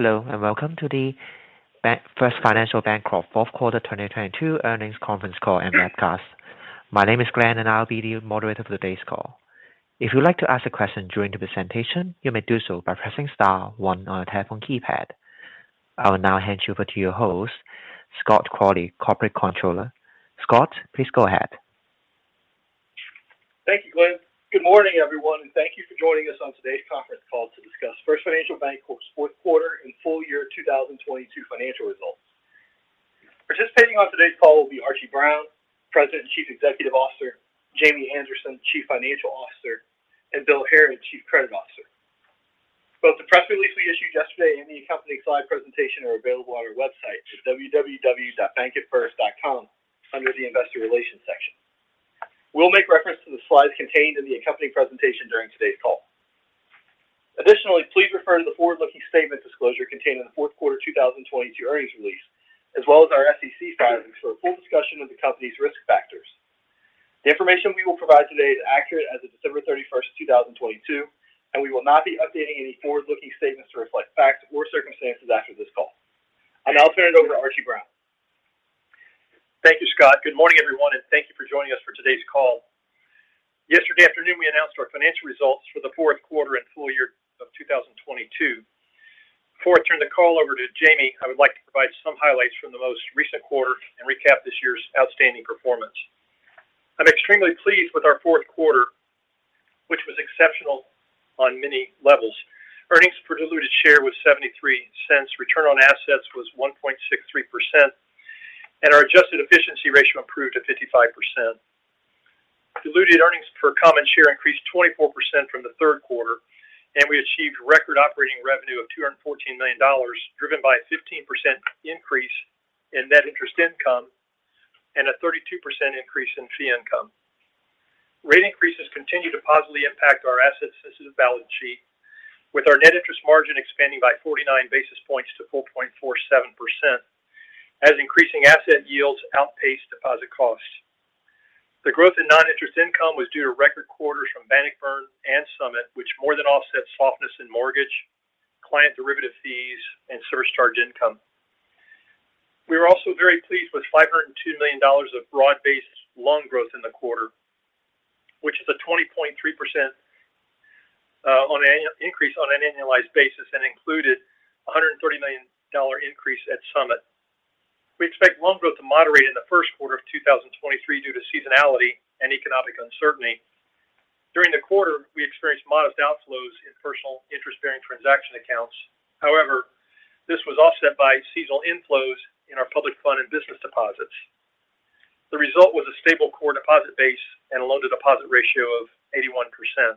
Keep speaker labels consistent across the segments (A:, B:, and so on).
A: Hello, welcome to the First Financial Bancorp fourth quarter 2022 earnings conference call and webcast. My name is Glenn, I'll be the moderator for today's call. If you'd like to ask a question during the presentation, you may do so by pressing star one on your telephone keypad. I will now hand you over to your host, Scott Crawley, Corporate Controller. Scott, please go ahead.
B: Thank you, Glenn. Good morning, everyone, thank you for joining us on today's conference call to discuss First Financial Bancorp's fourth quarter and full year 2022 financial results. Participating on today's call will be Archie Brown, President and Chief Executive Officer, James Anderson, Chief Financial Officer, and Bill Harrod, Chief Credit Officer. Both the press release we issued yesterday and the accompanying slide presentation are available on our website at www.bankatfirst.com under the investor relations section. We'll make reference to the slides contained in the accompanying presentation during today's call. Additionally, please refer to the forward-looking statement disclosure contained in the fourth quarter 2022 earnings release, as well as our SEC filings for a full discussion of the company's risk factors. The information we will provide today is accurate as of December 31st, 2022, and we will not be updating any forward-looking statements to reflect facts or circumstances after this call. I'll now turn it over to Archie Brown.
C: Thank you, Scott. Good morning, everyone, and thank you for joining us for today's call. Yesterday afternoon, we announced our financial results for the fourth quarter and full year of 2022. Before I turn the call over to Jamie, I would like to provide some highlights from the most recent quarter and recap this year's outstanding performance. I'm extremely pleased with our fourth quarter, which was exceptional on many levels. Earnings per diluted share was $0.73. Return on assets was 1.63%, and our adjusted efficiency ratio improved to 55%. Diluted earnings per common share increased 24% from the third quarter, and we achieved record operating revenue of $214 million, driven by a 15% increase in net interest income and a 32% increase in fee income. Rate increases continue to positively impact our assets as a balance sheet, with our net interest margin expanding by 49 basis points to 4.47% as increasing asset yields outpaced deposit costs. The growth in non-interest income was due to record quarters from Bannockburn and Summit, which more than offset softness in mortgage, client derivative fees, and surcharge income. We were also very pleased with $502 million of broad-based loan growth in the quarter, which is a 20.3% increase on an annualized basis and included a $130 million increase at Summit. We expect loan growth to moderate in the first quarter of 2023 due to seasonality and economic uncertainty. During the quarter, we experienced modest outflows in personal interest-bearing transaction accounts. This was offset by seasonal inflows in our public fund and business deposits. The result was a stable core deposit base and a loan-to-deposit ratio of 81%.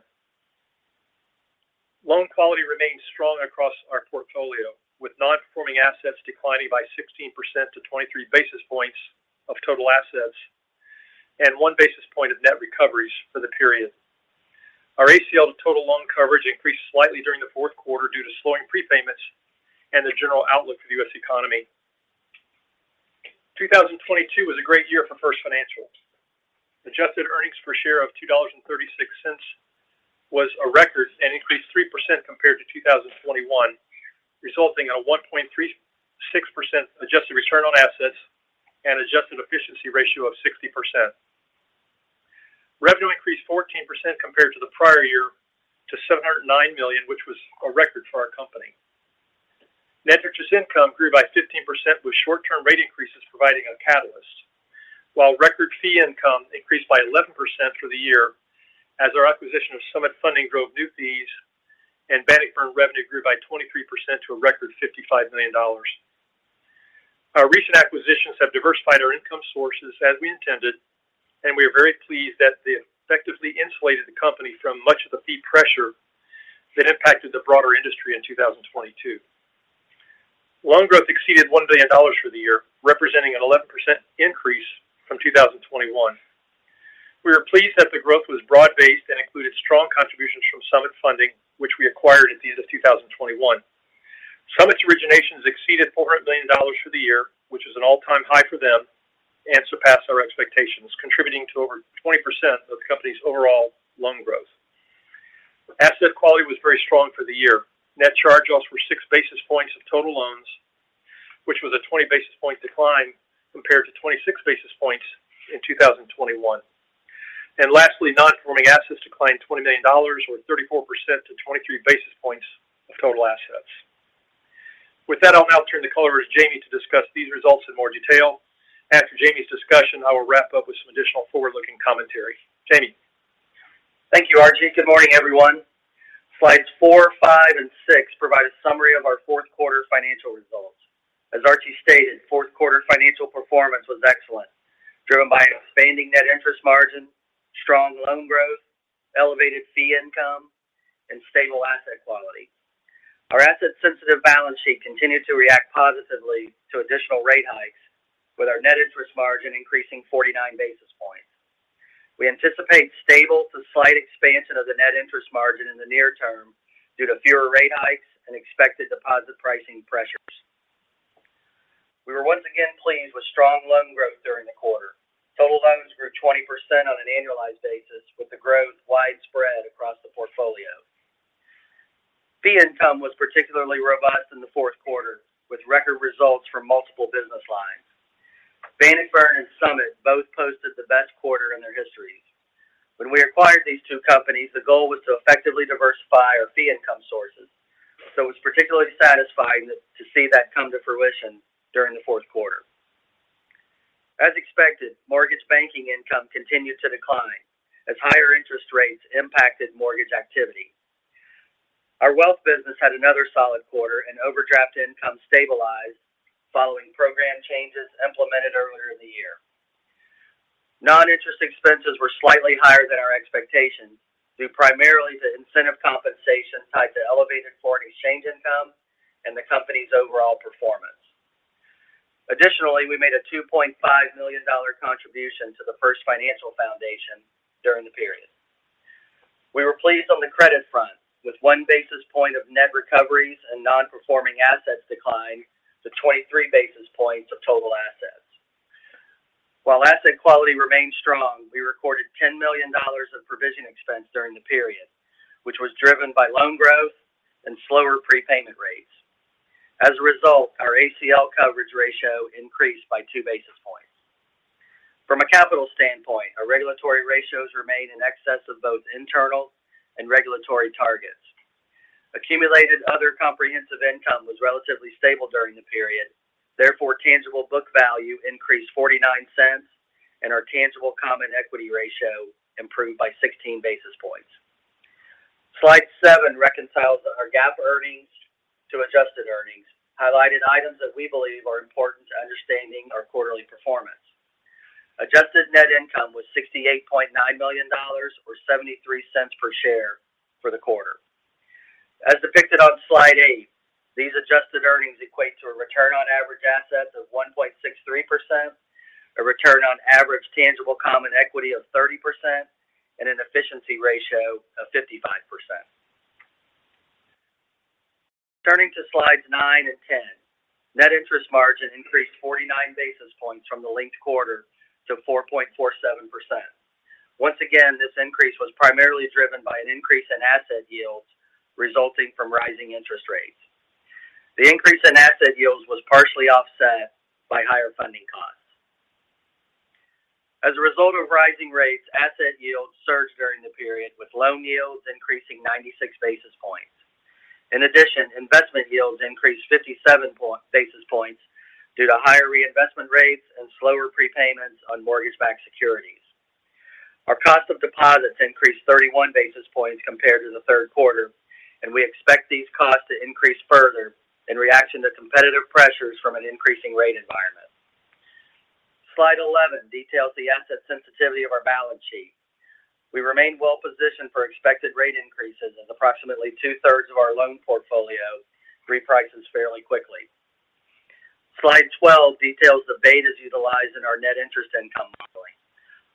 C: Loan quality remains strong across our portfolio, with non-performing assets declining by 16% to 23 basis points of total assets and 1 basis point of net recoveries for the period. Our ACL to total loan coverage increased slightly during the fourth quarter due to slowing prepayments and the general outlook for the U.S. economy. 2022 was a great year for First Financial. Adjusted earnings per share of $2.36 was a record and increased 3% compared to 2021, resulting in a 1.36% adjusted return on assets and adjusted efficiency ratio of 60%. Revenue increased 14% compared to the prior year to $709 million, which was a record for our company. Net interest income grew by 15% with short-term rate increases providing a catalyst. Record fee income increased by 11% through the year as our acquisition of Summit Funding drove new fees and Bannockburn revenue grew by 23% to a record $55 million. Our recent acquisitions have diversified our income sources as we intended, and we are very pleased that they effectively insulated the company from much of the fee pressure that impacted the broader industry in 2022. Loan growth exceeded $1 billion for the year, representing an 11% increase from 2021. We are pleased that the growth was broad-based and included strong contributions from Summit Funding, which we acquired at the end of 2021. Summit's originations exceeded $400 million for the year, which is an all-time high for them and surpassed our expectations, contributing to over 20% of the company's overall loan growth. Asset quality was very strong for the year. Net charge-offs were 6 basis points of total loans, which was a 20 basis point decline compared to 26 basis points in 2021. Lastly, non-performing assets declined $20 million or 34% to 23 basis points of total assets. With that, I'll now turn the call over to Jamie to discuss these results in more detail. After Jamie's discussion, I will wrap up with some additional forward-looking commentary. Jamie.
D: Thank you, Archie. Good morning, everyone. Slides 4, 5 and 6 provide a summary of our fourth quarter financial results. As Archie stated, fourth quarter financial performance was excellent, driven by expanding net interest margin, strong loan growth, elevated fee income, and stable asset quality. Our asset-sensitive balance sheet continued to react positively to additional rate hikes, with our net interest margin increasing 49 basis points. We anticipate stable to slight expansion of the net interest margin in the near term due to fewer rate hikes and expected deposit pricing pressures. We were once again pleased with strong loan growth during the quarter. Total loans grew 20% on an annualized basis, with the growth widespread across the portfolio. Fee income was particularly robust in the fourth quarter, with record results from multiple business lines. Bannockburn and Summit both posted the best quarter in their histories. When we acquired these two companies, the goal was to effectively diversify our fee income sources, so it's particularly satisfying to see that come to fruition during the fourth quarter. As expected, mortgage banking income continued to decline as higher interest rates impacted mortgage activity. Our wealth business had another solid quarter and overdraft income stabilized following program changes implemented earlier in the year. Non-interest expenses were slightly higher than our expectations due primarily to incentive compensation tied to elevated foreign exchange income and the company's overall performance. Additionally, we made a $2.5 million contribution to the First Financial Foundation during the period. We were pleased on the credit front with 1 basis point of net recoveries and non-performing assets declined to 23 basis points of total assets. While asset quality remained strong, we recorded $10 million of provision expense during the period, which was driven by loan growth and slower prepayment rates. As a result, our ACL coverage ratio increased by 2 basis points. From a capital standpoint, our regulatory ratios remain in excess of both internal and regulatory targets. Accumulated other comprehensive income was relatively stable during the period, therefore, tangible book value increased $0.49, and our tangible common equity ratio improved by 16 basis points. Slide 7 reconciles our GAAP earnings to adjusted earnings, highlighting items that we believe are important to understanding our quarterly performance. Adjusted net income was $68.9 million or $0.73 per share for the quarter. As depicted on slide 8, these adjusted earnings equate to a return on average assets of 1.63%, a return on average tangible common equity of 30%, and an efficiency ratio of 55%. Turning to slides 9 and 10, net interest margin increased 49 basis points from the linked quarter to 4.47%. Once again, this increase was primarily driven by an increase in asset yields resulting from rising interest rates. The increase in asset yields was partially offset by higher funding costs. As a result of rising rates, asset yields surged during the period, with loan yields increasing 96 basis points. In addition, investment yields increased 57 basis points due to higher reinvestment rates and slower prepayments on mortgage-backed securities. Our cost of deposits increased 31 basis points compared to the third quarter. We expect these costs to increase further in reaction to competitive pressures from an increasing rate environment. Slide 11 details the asset sensitivity of our balance sheet. We remain well positioned for expected rate increases as approximately two-thirds of our loan portfolio reprices fairly quickly. Slide 12 details the betas utilized in our net interest income modeling.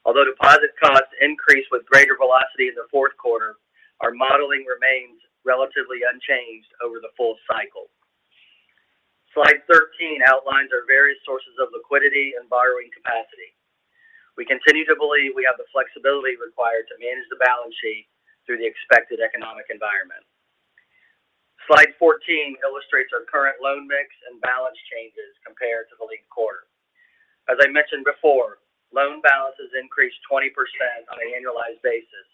D: Although deposit costs increased with greater velocity in the fourth quarter, our modeling remains relatively unchanged over the full cycle. Slide 13 outlines our various sources of liquidity and borrowing capacity. We continue to believe we have the flexibility required to manage the balance sheet through the expected economic environment. Slide 14 illustrates our current loan mix and balance changes compared to the linked quarter. As I mentioned before, loan balances increased 20% on an annualized basis,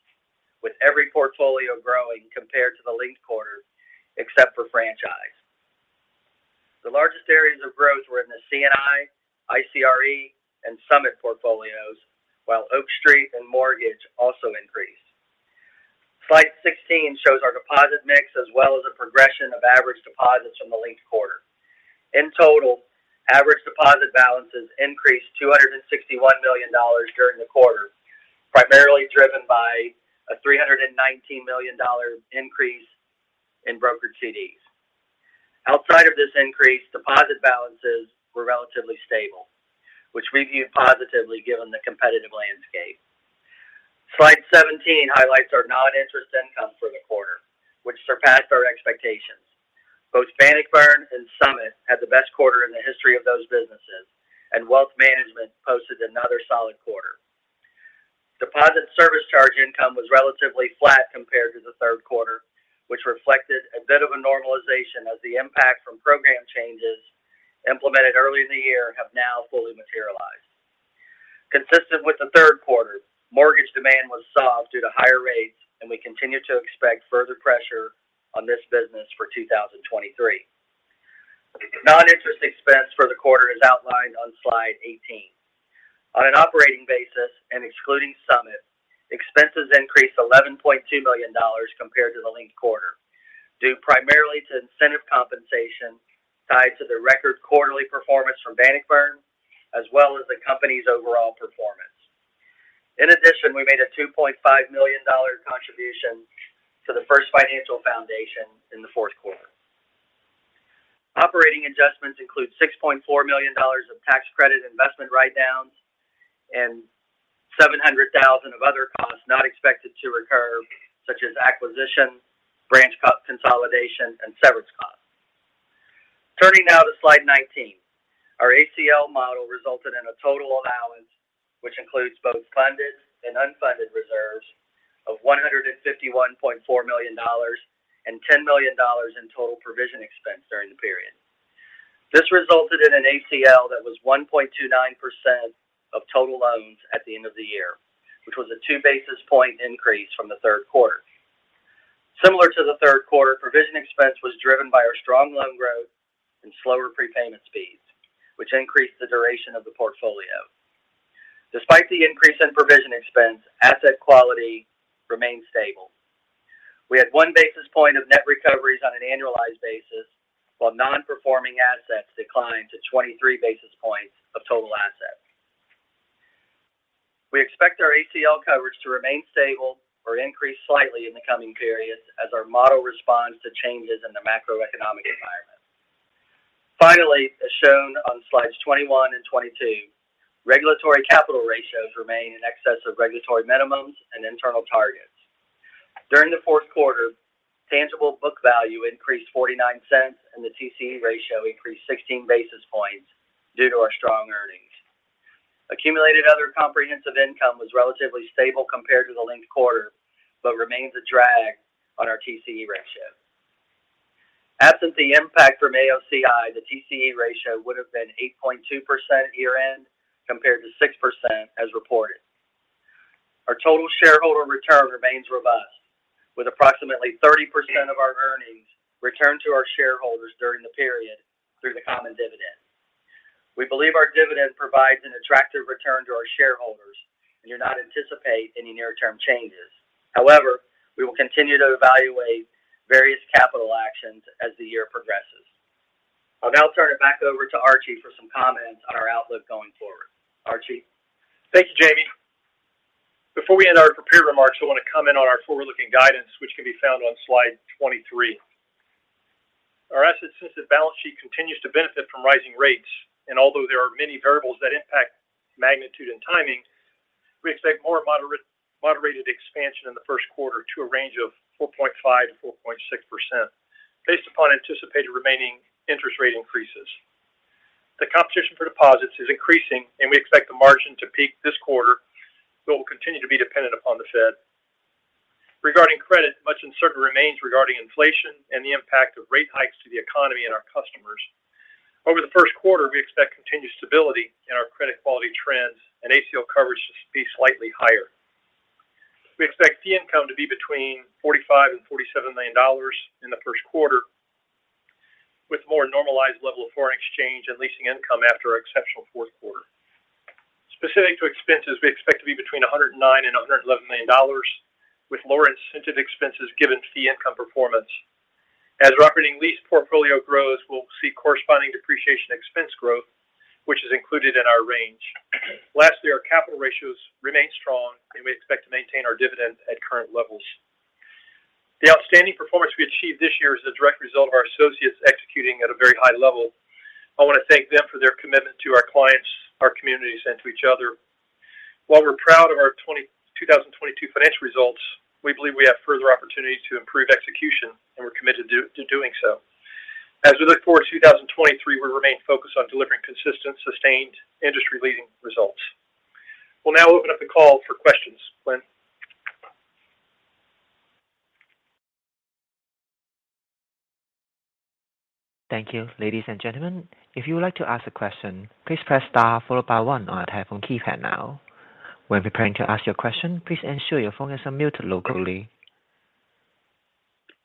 D: with every portfolio growing compared to the linked quarter, except for franchise. The largest areas of growth were in the C&I, ICRE, and Summit portfolios, while Oak Street and Mortgage also increased. Slide 16 shows our deposit mix as well as the progression of average deposits from the linked quarter. In total, average deposit balances increased $261 million during the quarter, primarily driven by a $319 million increase in brokered CDs. Outside of this increase, deposit balances were relatively stable, which we view positively given the competitive landscape. Slide 17 highlights our non-interest income for the quarter, which surpassed our expectations. Both Bannockburn and Summit had the best quarter in the history of those businesses, and Wealth Management posted another solid quarter. Deposit service charge income was relatively flat compared to the third quarter, which reflected a bit of a normalization as the impact from program changes implemented early in the year have now fully materialized. We continue to expect further pressure on this business for 2023. Non-interest expense for the quarter is outlined on slide 18. On an operating basis excluding Summit, expenses increased $11.2 million compared to the linked quarter, due primarily to incentive compensation tied to the record quarterly performance from Bannockburn, as well as the company's overall performance. In addition, we made a $2.5 million contribution to the First Financial Foundation in the fourth quarter. Operating adjustments include $6.4 million of tax credit investment write-downs. Seven hundred thousand of other costs not expected to recur, such as acquisition, branch co-consolidation, and severance costs. Turning now to slide 19. Our ACL model resulted in a total allowance, which includes both funded and unfunded reserves of $151.4 million and $10 million in total provision expense during the period. This resulted in an ACL that was 1.29% of total loans at the end of the year, which was a 2 basis point increase from the third quarter. Similar to the third quarter, provision expense was driven by our strong loan growth and slower prepayment speeds, which increased the duration of the portfolio. Despite the increase in provision expense, asset quality remained stable. We had 1 basis point of net recoveries on an annualized basis, while non-performing assets declined to 23 basis points of total assets. We expect our ACL coverage to remain stable or increase slightly in the coming periods as our model responds to changes in the macroeconomic environment. Finally, as shown on slides 21 and 22, regulatory capital ratios remain in excess of regulatory minimums and internal targets. During the fourth quarter, tangible book value increased $0.49, and the TCE ratio increased 16 basis points due to our strong earnings. Accumulated other comprehensive income was relatively stable compared to the linked quarter, but remains a drag on our TCE ratio. Absent the impact from AOCI, the TCE ratio would have been 8.2% year-end compared to 6% as reported. Our total shareholder return remains robust, with approximately 30% of our earnings returned to our shareholders during the period through the common dividend. We believe our dividend provides an attractive return to our shareholders, and do not anticipate any near-term changes. However, we will continue to evaluate various capital actions as the year progresses. I'll now turn it back over to Archie for some comments on our outlook going forward. Archie?
C: Thank you, Jamie. Before we end our prepared remarks, I want to comment on our forward-looking guidance, which can be found on slide 23. Our asset-sensitive balance sheet continues to benefit from rising rates, and although there are many variables that impact magnitude and timing, we expect more moderated expansion in the first quarter to a range of 4.5%-4.6% based upon anticipated remaining interest rate increases. The competition for deposits is increasing, and we expect the margin to peak this quarter, but will continue to be dependent upon the Fed. Regarding credit, much uncertainty remains regarding inflation and the impact of rate hikes to the economy and our customers. Over the first quarter, we expect continued stability in our credit quality trends and ACL coverage to be slightly higher. We expect fee income to be between $45 million and $47 million in the first quarter, with more normalized level of foreign exchange and leasing income after our exceptional fourth quarter. Specific to expenses, we expect to be between $109 million and $111 million, with lower incentive expenses given fee income performance. As our operating lease portfolio grows, we'll see corresponding depreciation expense growth, which is included in our range. Lastly, our capital ratios remain strong, and we expect to maintain our dividends at current levels. The outstanding performance we achieved this year is a direct result of our associates executing at a very high level. I want to thank them for their commitment to our clients, our communities, and to each other. While we're proud of our 2022 financial results, we believe we have further opportunities to improve execution, and we're committed to doing so. As we look forward to 2023, we remain focused on delivering consistent, sustained, industry-leading results. We'll now open up the call for questions. Glenn?
A: Thank you. Ladies and gentlemen, if you would like to ask a question, please press star followed by one on your telephone keypad now. When preparing to ask your question, please ensure your phone is on mute locally.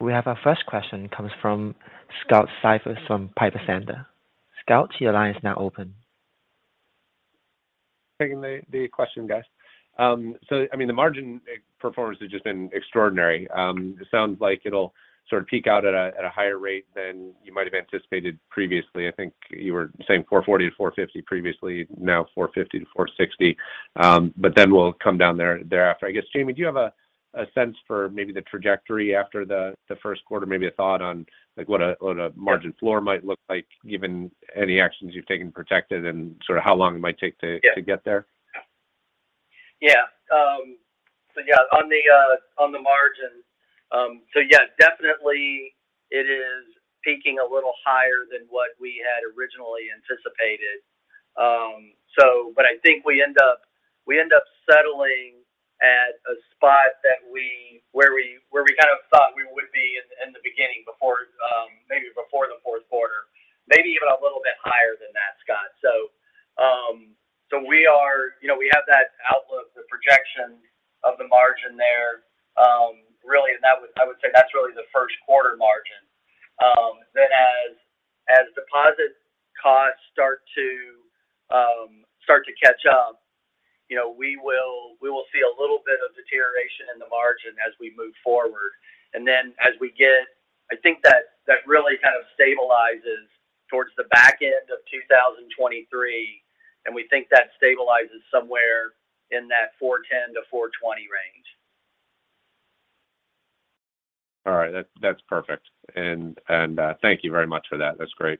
A: We have our first question comes from Scott Siefers from Piper Sandler. Scott, your line is now open.
E: Taking the question, guys. I mean, the margin performance has just been extraordinary. It sounds like it'll sort of peak out at a higher rate than you might have anticipated previously. I think you were saying 4.40%-4.50% previously, now 4.50%-4.60%. We'll come down thereafter. I guess, Jamie, do you have a sense for maybe the trajectory after the first quarter? Maybe a thought on like what a margin floor might look like given any actions you've taken to protect it and sort of how long it might take to get there?
D: Yeah, on the on the margin. Definitely it is peaking a little higher than what we had originally anticipated. But I think we end up settling at a spot that we kind of thought we would be in the in the beginning before, maybe before the fourth quarter. Maybe even a little bit higher than that, Scott. We are, you know, we have that outlook, the projection of the margin there, really, and that was I would say that's really the first quarter margin. As deposit costs start to, start to catch up, you know, we will see a little bit of deterioration in the margin as we move forward. I think that that really kind of stabilizes towards the back end of 2023, and we think that stabilizes somewhere in that 4.10%-4.20% range.
E: All right, that's perfect. Thank you very much for that. That's great.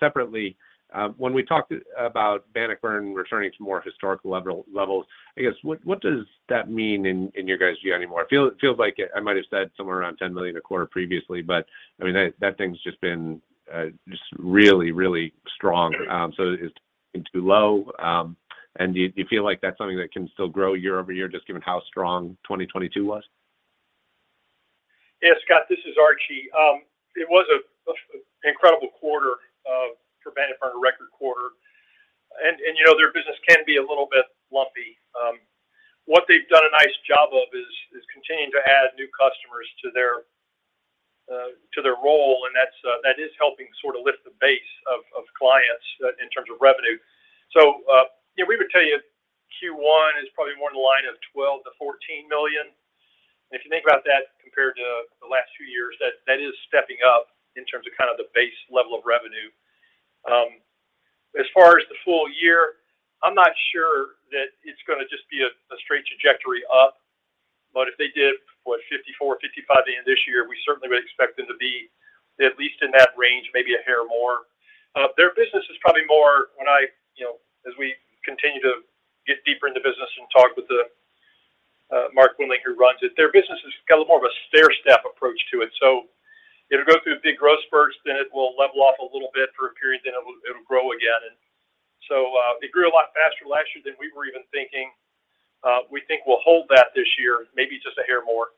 E: Separately, when we talked about Bannockburn returning to more historical levels, I guess, what does that mean in your guys' view anymore? It feels like I might have said somewhere around $10 million a quarter previously, but I mean that thing's just been really, really strong. Is it too low? Do you feel like that's something that can still grow year-over-year just given how strong 2022 was?
C: Yeah, Scott, this is Archie. It was a incredible quarter for Bannockburn, a record quarter. You know, their business can be a little bit lumpy. What they've done a nice job of is continuing to add new customers to their role, and that is helping sort of lift the base of clients in terms of revenue. Yeah, we would tell you Q1 is probably more in the line of $12 million-$14 million. If you think about that compared to the last few years, that is stepping up in terms of kind of the base level of revenue. As far as the full year, I'm not sure that it's gonna just be a straight trajectory up. If they did, what, 54, 55 at the end of this year, we certainly would expect them to be at least in that range, maybe a hair more. Their business is probably more when I, you know, as we continue to get deeper in the business and talk with Mark Wendling, who runs it, their business has got a little more of a stairstep approach to it. It'll go through big growth spurts, then it will level off a little bit for a period, then it'll grow again. It grew a lot faster last year than we were even thinking. We think we'll hold that this year, maybe just a hair more.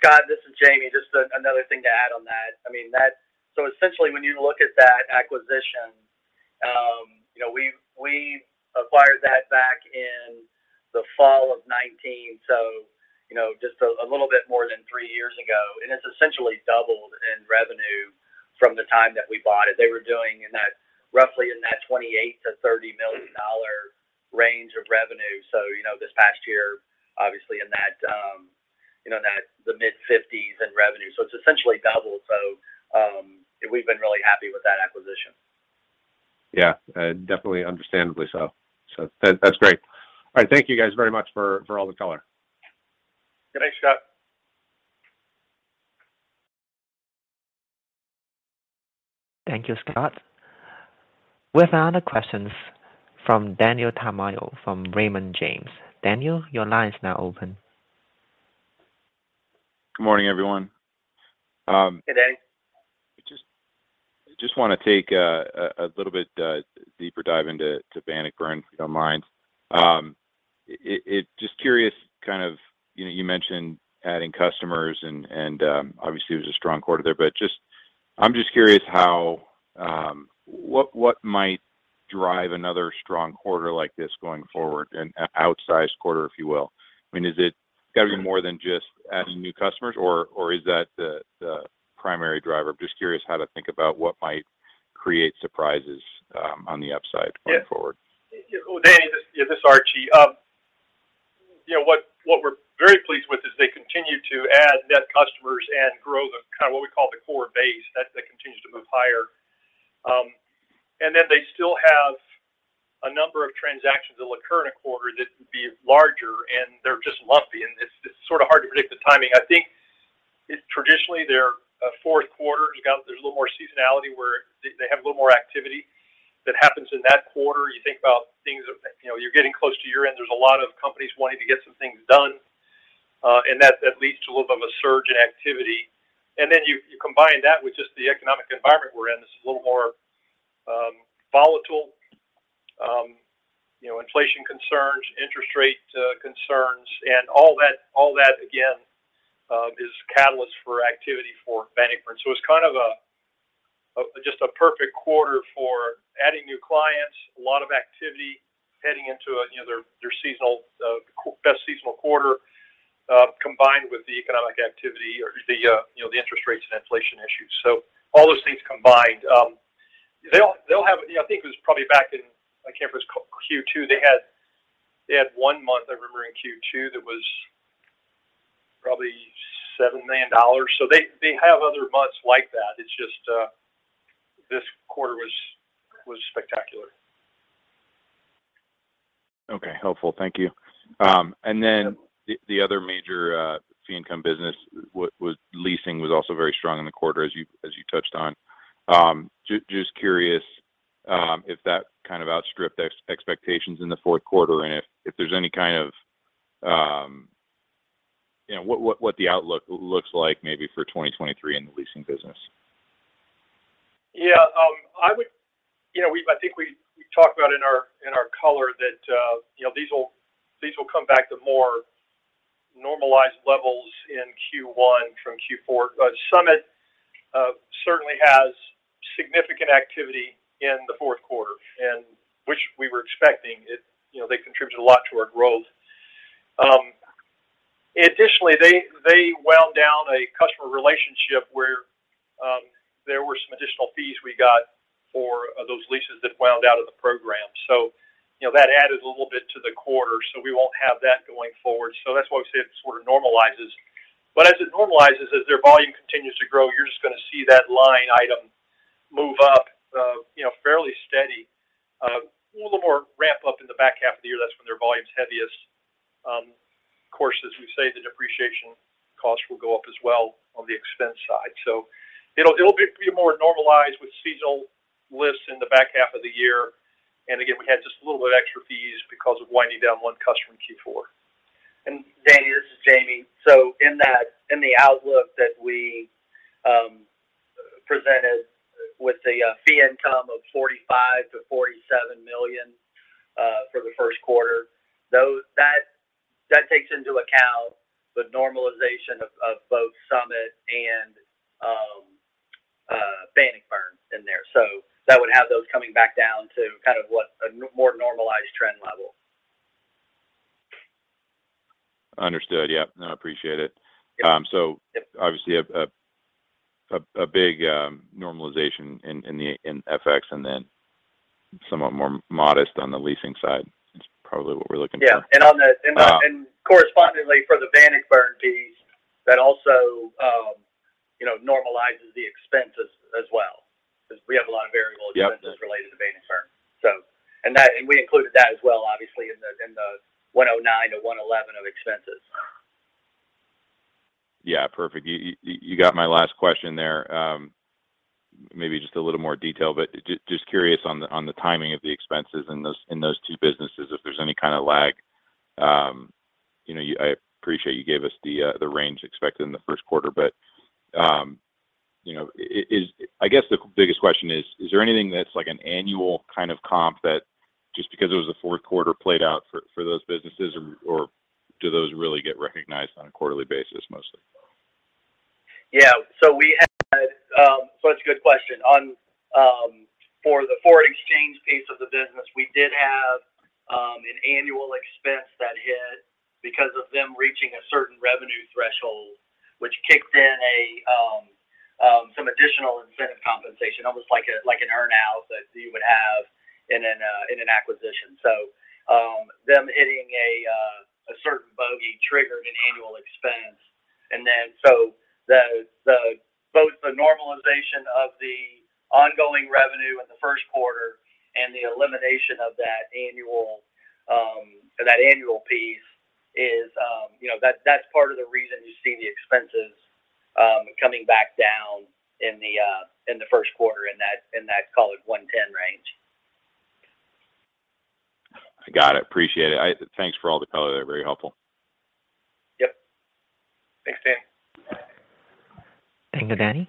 D: Scott, this is Jamie. Just another thing to add on that. I mean, that. Essentially, when you look at that acquisition, you know, we acquired that back in the fall of 2019, you know, just a little bit more than three years ago. It's essentially doubled in revenue from the time that we bought it. They were doing in that, roughly in that $28 million-$30 million range of revenue. You know, this past year, obviously in that, you know, that the mid-$50s in revenue. It's essentially doubled. We've been really happy with that acquisition.
E: Yeah. Definitely understandably so. That's great. All right, thank you guys very much for all the color.
C: Thanks, Scott.
A: Thank you, Scott. We have another question from Daniel Tamayo from Raymond James. Daniel, your line is now open.
F: Good morning, everyone.
C: Good day.
F: Just wanna take a little bit deeper dive into Bannockburn, if you don't mind. Just curious, kind of, you know, you mentioned adding customers and, obviously it was a strong quarter there. I'm just curious how what might drive another strong quarter like this going forward, an outsized quarter, if you will? I mean, is it gotta be more than just adding new customers or is that the primary driver? I'm just curious how to think about what might create surprises on the upside going forward.
C: Yeah. Danny, this is Archie. You know, what we're very pleased with is they continue to add net customers and grow the kind of what we call the core base. That continues to move higher. Then they still have a number of transactions that occur in a quarter that would be larger, and they're just lumpy. It's sort of hard to predict the timing. I think it's traditionally their fourth quarter, there's a little more seasonality where they have a little more activity that happens in that quarter. You think about things of, you know, you're getting close to year-end, there's a lot of companies wanting to get some things done, and that leads to a little bit of a surge in activity. You combine that with just the economic environment we're in. This is a little more volatile. You know, inflation concerns, interest rate concerns, and all that, all that again, is catalyst for activity for Bannockburn. It's kind of a just a perfect quarter for adding new clients, a lot of activity heading into, you know, their seasonal best seasonal quarter combined with the economic activity or the, you know, the interest rates and inflation issues. All those things combined. You know, I think it was probably back in, I can't remember, it was Q2, they had one month I remember in Q2 that was probably $7 million. They have other months like that. It's just this quarter was spectacular.
F: Okay. Helpful. Thank you. The other major fee income business leasing was also very strong in the quarter as you touched on. Just curious, if that kind of outstripped expectations in the fourth quarter, and if there's any kind of... You know, what the outlook looks like maybe for 2023 in the leasing business?
C: Yeah. You know, I think we talked about in our, in our color that, you know, these will, these will come back to more normalized levels in Q1 from Q4. Summit certainly has significant activity in the fourth quarter, and which we were expecting. You know, they contributed a lot to our growth. Additionally, they wound down a customer relationship where there were some additional fees we got for those leases that wound out of the program. You know, that added a little bit to the quarter, so we won't have that going forward. That's why we said it sort of normalizes. As it normalizes, as their volume continues to grow, you're just gonna see that line item move up, you know, fairly steady.
G: A little more ramp up in the back half of the year. That's when their volume's heaviest. of course, as we say, the depreciation cost will go up as well on the expense side. It'll be more normalized with seasonal lifts in the back half of the year. Again, we had just a little bit extra fees because of winding down one customer in Q4.
D: Danny, this is Jamie. In that, in the outlook that we presented with a fee income of $45 million-$47 million for the first quarter, that takes into account the normalization of both Summit and Bannockburn in there. That would have those coming back down to kind of what a more normalized trend level.
F: Understood. Yep. No, I appreciate it.
D: Yep.
F: obviously a big normalization in the, in FX and then somewhat more modest on the leasing side is probably what we're looking for.
D: Yeah. On the... And correspondingly for the Bannockburn piece, that also, you know, normalizes the expense as well. We have a lot of.
F: Yep
D: expenses related to Bannockburn. And we included that as well, obviously in the $109-$111 of expenses.
F: Yeah. Perfect. You got my last question there. Maybe just a little more detail, but just curious on the timing of the expenses in those two businesses, if there's any kind of lag. You know, I appreciate you gave us the range expected in the first quarter, but, you know, I guess the biggest question is there anything that's like an annual kind of comp that just because it was a fourth quarter played out for those businesses or do those really get recognized on a quarterly basis mostly?
D: Yeah. That's a good question. On for the foreign exchange piece of the business, we did have an annual expense that hit because of them reaching a certain revenue threshold, which kicked in some additional incentive compensation, almost like an earn-out that you would have in an acquisition. Them hitting a certain bogey triggered an annual expense. Both the normalization of the ongoing revenue in the first quarter and the elimination of that annual of that annual piece is, you know, that's part of the reason you're seeing the expenses coming back down in the first quarter in that call it 110 range.
F: I got it. Appreciate it. Thanks for all the color. They're very helpful.
D: Yep. Thanks, Danny.
A: Thank you, Danny.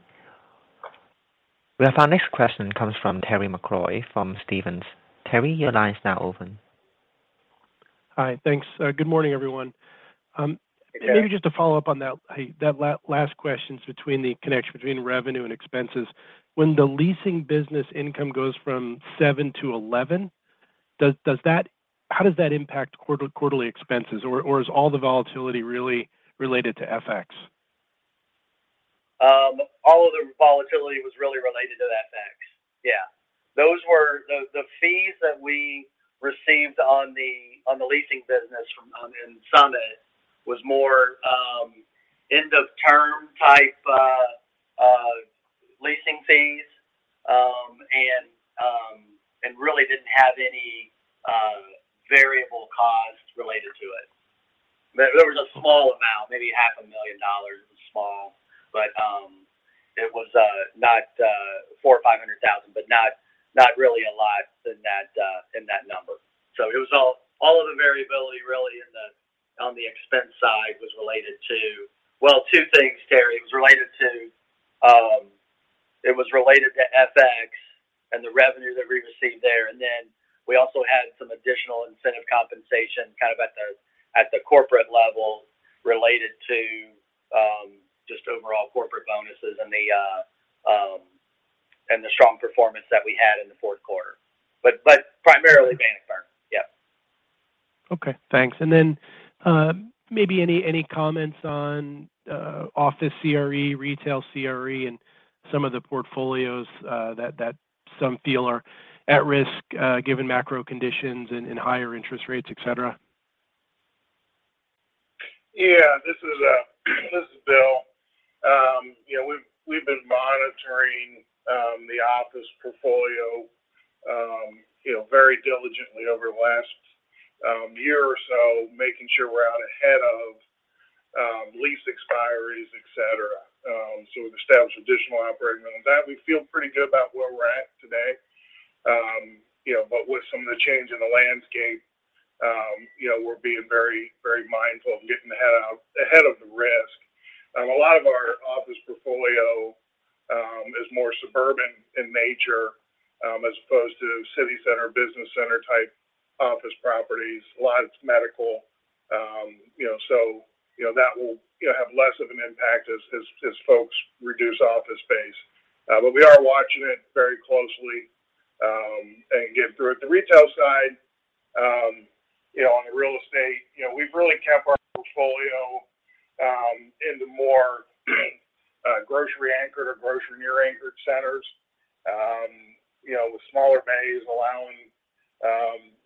A: Our next question comes from Terry McEvoy from Stephens. Terry, your line's now open.
H: Hi. Thanks. Good morning, everyone.
D: Hey, Terry.
H: Maybe just to follow up on that, hey, that last questions between the connection between revenue and expenses. When the leasing business income goes from 7 to 11, how does that impact quarterly expenses or is all the volatility really related to FX?
D: All of the volatility was really related to FX. Yeah. Those were the fees that we received on the leasing business from Summit was more end of term type leasing fees. And really didn't have any variable cost related to it. There was a small amount, maybe half a million dollars. It was small. It was not $400,000 or $500,000, but not really a lot in that number. It was all of the variability really in the, on the expense side was related to. Well, two things, Terry. It was related to FX and the revenue that we received there. We also had some additional incentive compensation kind of at the corporate level related to just overall corporate bonuses and the strong performance that we had in the fourth quarter. primarily Bannockburn. Yep.
H: Okay. Thanks. Maybe any comments on office CRE, retail CRE, and some of the portfolios that some feel are at risk given macro conditions and higher interest rates, et cetera?
G: Yeah. This is Bill. You know, we've been monitoring the office portfolio, you know, very diligently over the last year or so, making sure we're out ahead of lease expiries, et cetera. We've established additional operating room. That we feel pretty good about where we're at today. You know, with some of the change in the landscape, you know, we're being very, very mindful of getting ahead of the risk. A lot of our office portfolio is more suburban in nature, as opposed to city center, business center type office properties. A lot of it's medical. You know, you know, that will, you know, have less of an impact as folks reduce office space. We are watching it very closely, and again through the retail side, you know, on the real estate, you know, we've really kept our portfolio in the more grocery anchored or grocery near anchored centers, you know, with smaller bays allowing,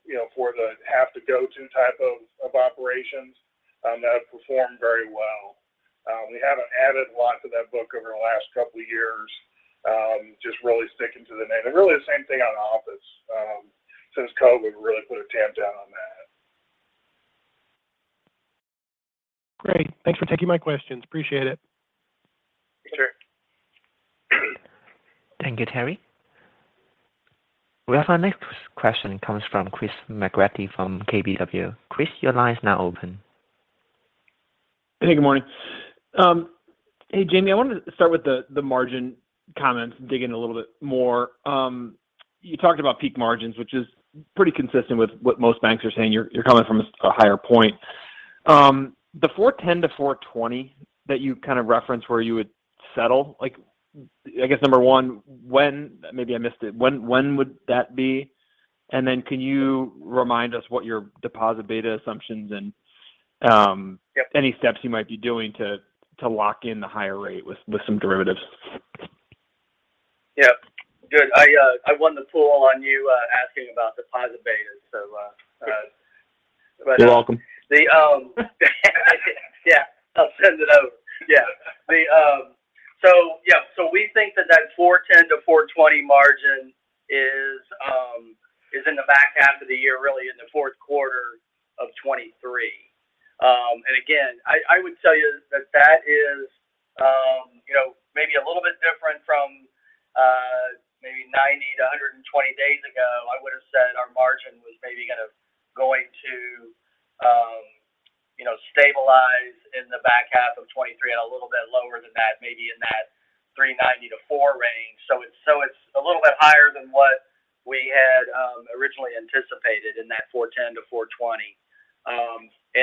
G: you know, for the have to go to type of operations, that have performed very well.
D: We haven't added a lot to that book over the last couple years, just really sticking to the name. Really the same thing on office. Since COVID really put a tamp down on that.
H: Great. Thanks for taking my questions. Appreciate it.
D: Sure.
A: Thank you, Terry. We have our next question comes from Christopher McGratty from KBW. Chris, your line is now open.
I: Hey, good morning. Hey Jamie, I wanted to start with the margin comments and dig in a little bit more. You talked about peak margins, which is pretty consistent with what most banks are saying. You're coming from a higher point. The 4.10%-4.20% that you kind of referenced where you would settle, like, I guess number one, maybe I missed it. When would that be? Then can you remind us what your deposit beta assumptions and?
D: Yes...
I: any steps you might be doing to lock in the higher rate with some derivatives?
D: Yeah. Good. I won the pool on you, asking about deposit betas.
I: You're welcome.
D: Yeah, I'll send it over. Yeah. We think that that 4.10%-4.20% margin is in the back half of the year, really in the fourth quarter of 2023. Again, I would tell you that that is, you know, maybe a little bit different from, maybe 90 to 120 days ago. I would've said our margin was maybe kind of going to, you know, stabilize in the back half of 2023 and a little bit lower than that, maybe in that 3.90%-4.00% range. It's a little bit higher than what we had originally anticipated in that 4.10%-4.20%.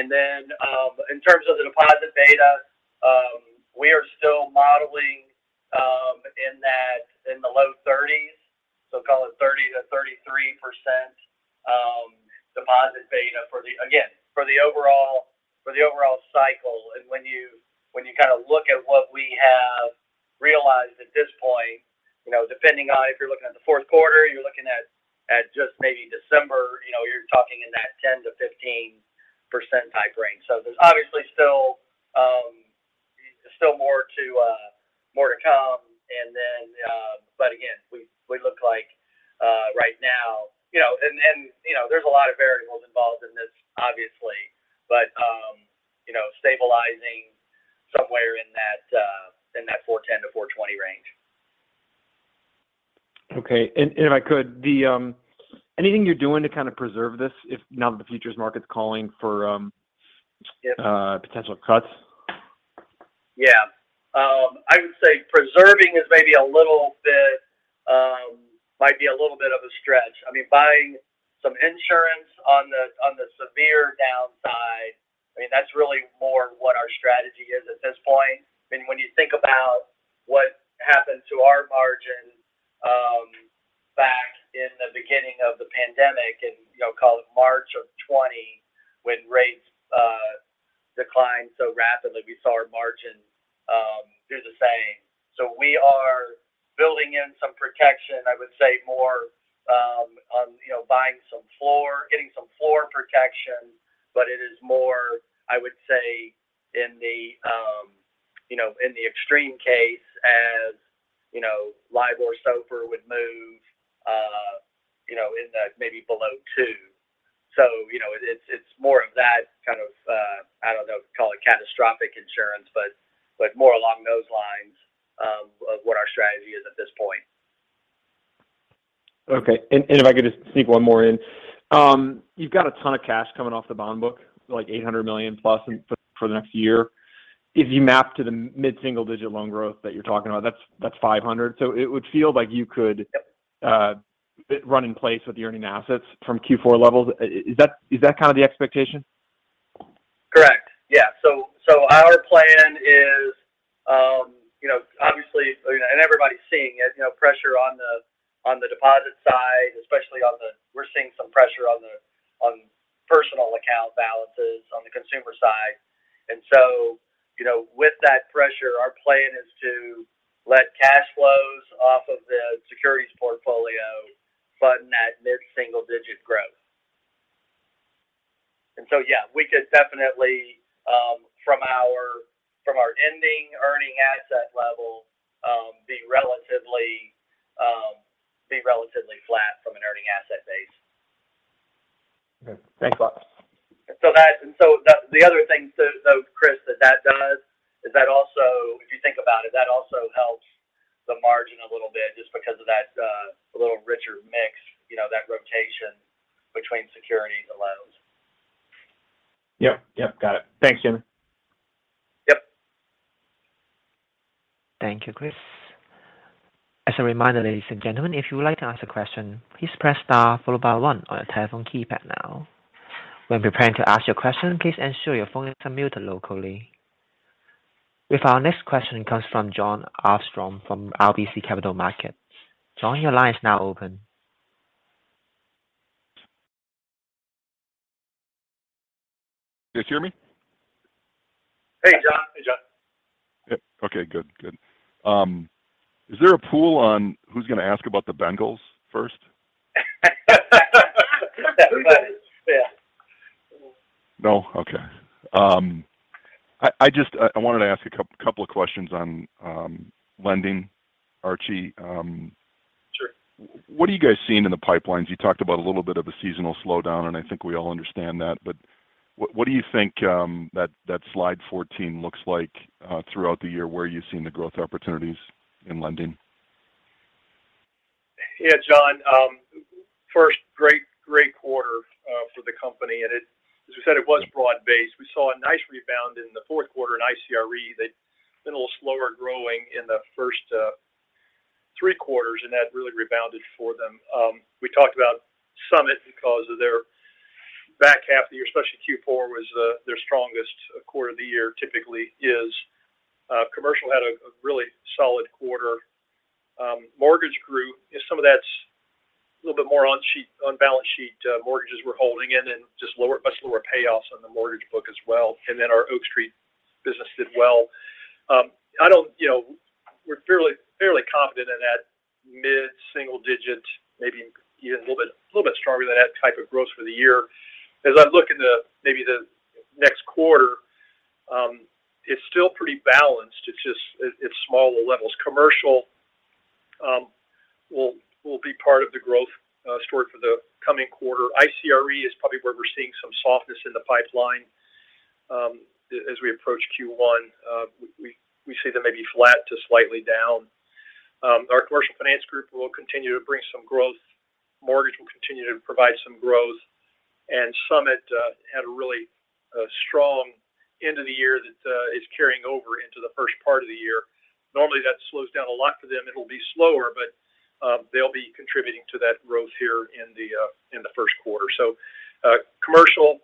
D: Then, in terms of the deposit beta, we are still modeling, in that, in the low 30s. Call it 30%-33% deposit beta for the overall cycle. When you kind of look at what we have realized at this point, you know, depending on if you're looking at the fourth quarter, you're looking at just maybe December, you know, you're talking in that 10%-15% type range. There's obviously still more to come. Then, again, we look like right now, you know... You know, there's a lot of variables involved in this obviously, but, you know, stabilizing somewhere in that 4.10-4.20 range.
I: Okay. If I could, the, anything you're doing to kind of preserve this if now that the futures market's calling for?
D: Yes...
I: potential cuts?
D: Yeah. I would say preserving is maybe a little bit, might be a little bit of a stretch. I mean, buying some insurance on the, on the severe downside, I mean, that's really more what our strategy is at this point. I mean, when you think about what happened to our margin, back in the beginning of the pandemic and, you know, call it March of 2020 when rates declined so rapidly, we saw our margin do the same. We are building in some protection, I would say more, on, you know, buying some floor, getting some floor protection. It is more, I would say in the, you know, in the extreme case as, you know, LIBOR SOFR would move, you know, in the maybe below two. You know, it's more of that kind of, I don't know, call it catastrophic insurance, but more along those lines of what our strategy is at this point.
I: Okay. If I could just sneak one more in. You've got a ton of cash coming off the bond book, like $800 million+ for the next year. If you map to the mid-single digit loan growth that you're talking about, that's $500 million. It would feel like you could.
D: Yep...
I: run in place with earning assets from Q4 levels. Is that, is that kind of the expectation?
D: Correct. Yeah. Our plan is, you know, obviously, you know, and everybody's seeing it, you know, pressure on the deposit side, especially on the we're seeing some pressure on personal account balances on the consumer side. You know, with that pressure, our plan is to let cash flows off of the securities portfolio fund that mid-single-digit growth. Yeah, we could definitely, from our ending earning asset level, be relatively flat from an earning asset base.
I: Okay. Thanks a lot.
D: Chris, that does is that also, if you think about it, that also helps the margin a little bit just because of that little richer mix, you know, that rotation between securities and loans.
I: Yep. Yep. Got it. Thanks, Jamie.
D: Yep.
A: Thank you, Chris. As a reminder, ladies and gentlemen, if you would like to ask a question, please press star followed by one on your telephone keypad now. When preparing to ask your question, please ensure your phone is on mute locally. With our next question comes from Jon Arfstrom from RBC Capital Markets. John, your line is now open.
J: Can you guys hear me?
D: Hey Jon.
J: Yep. Okay, good. Good. Is there a pool on who's gonna ask about the Bengals first?
C: Yeah.
J: No? Okay. I wanted to ask a couple of questions on lending, Archie?
C: Sure.
J: What are you guys seeing in the pipelines? You talked about a little bit of a seasonal slowdown, and I think we all understand that, but what do you think that slide 14 looks like throughout the year, where you've seen the growth opportunities in lending?
C: Yeah, Jon. First, great quarter for the company. As we said, it was broad-based. We saw a nice rebound in the fourth quarter in ICRE that's been a little slower growing in the first 3 quarters, and that really rebounded for them. We talked about Summit because of their back half of the year, especially Q4, was their strongest quarter of the year, typically is. Commercial had a really solid quarter. Mortgage group is some of that's a little bit more on-balance sheet mortgages we're holding, and then just much lower payoffs on the mortgage book as well. Our Oak Street business did well. I don't, you know, we're fairly confident in that mid-single-digit, maybe even a little bit stronger than that type of growth for the year. As I look into maybe the next quarter, it's still pretty balanced. It's just it's smaller levels. Commercial will be part of the growth story for the coming quarter. ICRE is probably where we're seeing some softness in the pipeline as we approach Q1. We see that may be flat to slightly down. Our commercial finance group will continue to bring some growth. Mortgage will continue to provide some growth. Summit had a really strong end of the year that is carrying over into the first part of the year. Normally, that slows down a lot for them. It'll be slower, but they'll be contributing to that growth here in the first quarter. Commercial,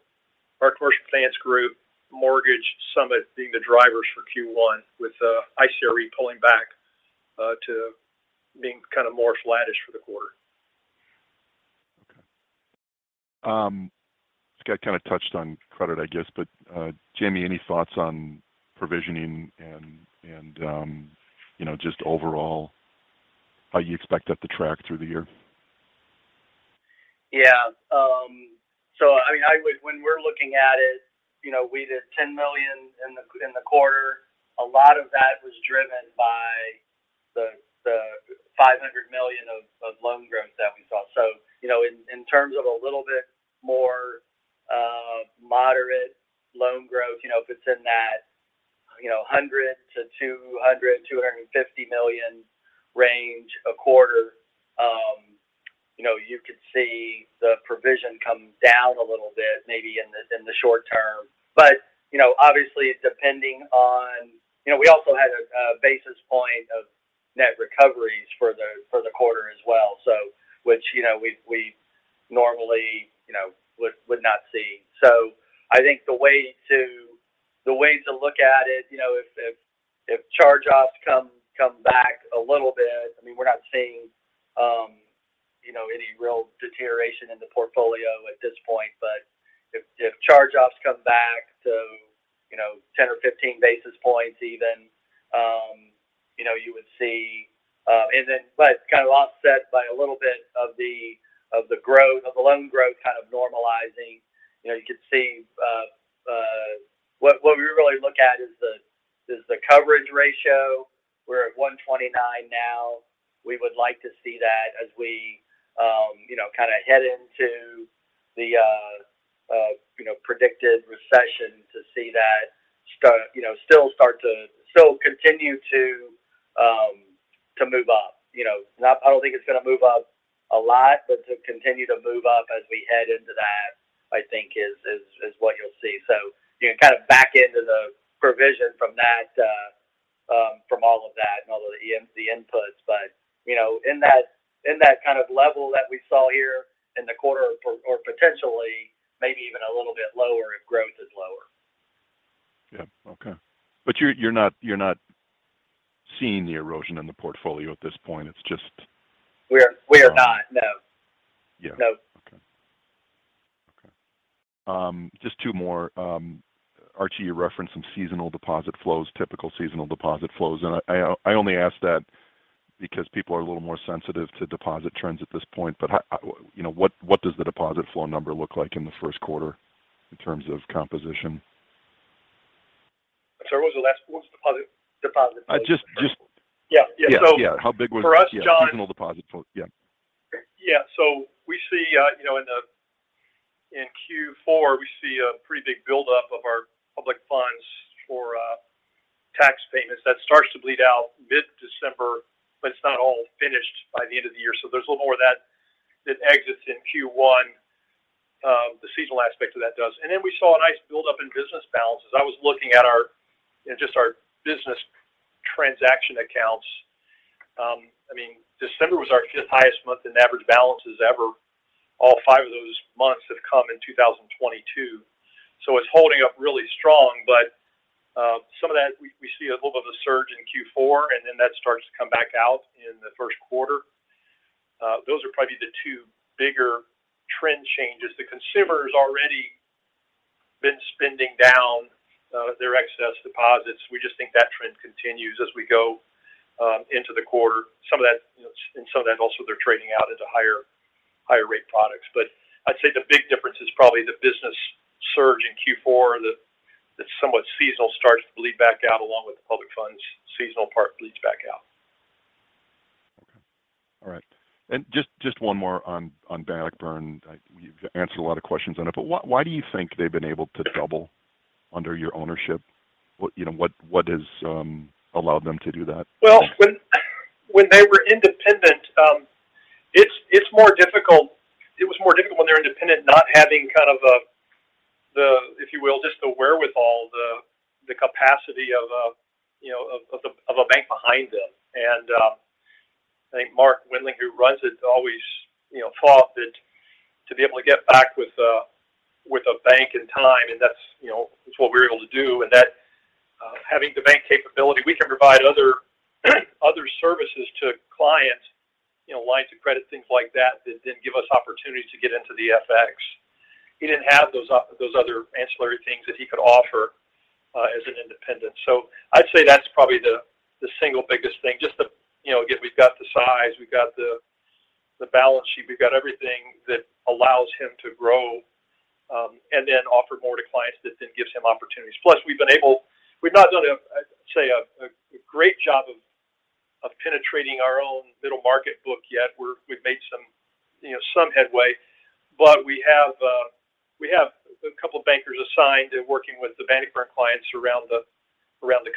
C: our commercial finance group, mortgage, Summit being the drivers for Q1, with ICRE pulling back to being kind of more flattish for the quarter.
J: Okay. I kind of touched on credit, I guess, but, Jamie, any thoughts on provisioning and, you know, just overall how you expect that to track through the year?
D: I mean, when we're looking at it, you know, we did $10 million in the quarter. A lot of that was driven by the $500 million of loan growth that we saw. In terms of a little bit more moderate loan growth, you know, if it's in that, you know, $100-$250 million range a quarter, you know, you could see the provision come down a little bit maybe in the short term. You know, obviously, depending on. You know, we also had a basis point of net recoveries for the quarter as well, which, you know, we normally, you know, would not see.
C: I think the way to, the way to look at it, you know, if, if charge-offs come back a little bit, I mean, we're not seeing, you know, any real deterioration in the portfolio at this point. If, if charge-offs come back to, you know, 10 or 15 basis points even, you know, you would see. It's kind of offset by a little bit of the, of the loan growth kind of normalizing. You know, you could see. What, what we really look at is the, is the coverage ratio. We're at 129 now. We would like to see that as we, you know, kinda head into the, you know, predicted recession to see that still continue to move up. You know, I don't think it's gonna move up a lot, to continue to move up as we head into that, I think is what you'll see. You can kind of back into the provision from that, from all of that and all of the EMC inputs. You know, in that, in that kind of level that we saw here in the quarter or potentially maybe even a little bit lower if growth is lower.
J: Yeah. Okay. You're, you're not, you're not seeing the erosion in the portfolio at this point. It's just.
C: We're not. No.
J: Yeah.
C: No.
J: Okay. Okay. Just two more. Archie, you referenced some seasonal deposit flows, typical seasonal deposit flows. I only ask that because people are a little more sensitive to deposit trends at this point, but how, you know, what does the deposit flow number look like in the first quarter in terms of composition?
C: Sorry, what was deposit flow?
J: Uh, just, just-
C: Yeah. Yeah.
J: Yeah. How big was.
C: For us, Jon.
J: Yeah. Seasonal deposit flow. Yeah.
C: Yeah. We see, you know, in Q4, we see a pretty big buildup of our public funds for tax payments. That starts to bleed out mid-December, but it's not all finished by the end of the year. There's a little more of that exits in Q1. The seasonal aspect of that does. Then we saw a nice buildup in business balances. I was looking at our, you know, just our business transaction accounts. I mean, December was our fifth highest month in average balances ever. All five of those months have come in 2022. It's holding up really strong. Some of that we see a little bit of a surge in Q4, and then that starts to come back out in the 1st quarter. Those are probably the two bigger trend changes. The consumer's already been spending down their excess deposits. We just think that trend continues as we go into the quarter. Some of that, you know, and some of that also they're trading out into higher rate products. I'd say the big difference is probably the business surge in Q4. That's somewhat seasonal starts to bleed back out along with the public funds. Seasonal part bleeds back out.
J: Okay. All right. Just one more on Bannockburn. You've answered a lot of questions on it, but why do you think they've been able to double under your ownership? What, you know what has allowed them to do that?
C: Well, when they were independent, it's more difficult. It was more difficult when they were independent, not having kind of a, if you will, just the wherewithal, the capacity of a, you know, of a bank behind them. I think Mark Wendling, who runs it, always, you know, thought that to be able to get back with a bank in time, and that's, you know, that's what we were able to do. Having the bank capability, we can provide other services to clients, you know, lines of credit, things like that then give us opportunities to get into the FX. He didn't have those other ancillary things that he could offer as an independent. I'd say that's probably the single biggest thing. Just the, you know, again, we've got the size, we've got the balance sheet, we've got everything that allows him to grow, and then offer more to clients. That gives him opportunities. Plus, we've been able. We've not done a great job of penetrating our own middle market book yet. We've made some, you know, some headway. We have a couple bankers assigned and working with the Bannockburn clients around the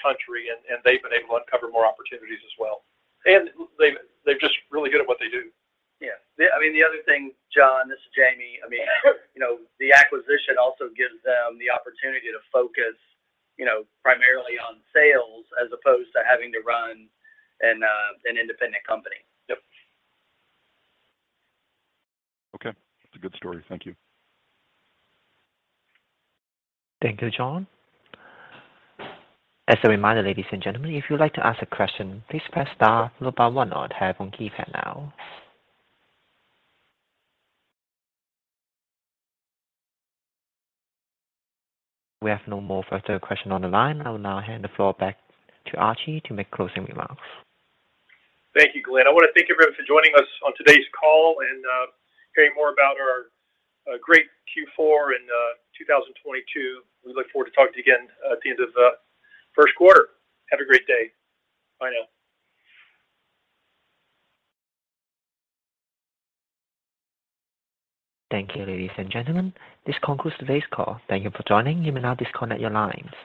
C: country, and they've been able to uncover more opportunities as well. They're just really good at what they do.
D: Yeah. The, I mean, the other thing, John, this is Jamie. I mean, you know, the acquisition also gives them the opportunity to focus, you know, primarily on sales as opposed to having to run an independent company.
C: Yep.
J: Okay. That's a good story. Thank you.
K: Thank you, John. As a reminder, ladies and gentlemen, if you'd like to ask a question, please press star followed by one on your phone keypad now. We have no more further question on the line. I will now hand the floor back to Archie to make closing remarks.
C: Thank you, Glenn. I wanna thank everyone for joining us on today's call and hearing more about our great Q4 in 2022. We look forward to talking to you again at the end of the first quarter. Have a great day. Bye now.
A: Thank you, ladies and gentlemen. This concludes today's call. Thank you for joining. You may now disconnect your lines.